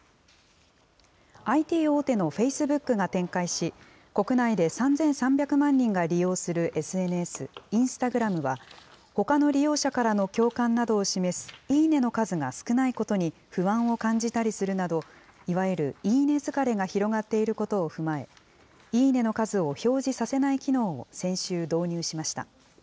ＩＴ大手のフェイスブックが展開し、国内で３３００万人が利用するＳＮＳ、インスタグラムは、ほかの利用者からの共感などを示す、いいね！の数が少ないことに不安を感じたりするなど、いわゆるいいね疲れが広がっていることを踏まえ、いいね！の数を表示させない機能を先週、導入しました。